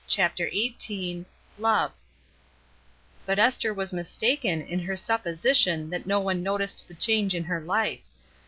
CHAPTER XVIII LOVE T>UT Esther was mistaken in her supposi ■' tion that no one noticed the change in her life.